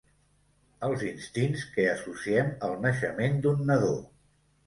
Els instints que associem al naixement d'un nadó.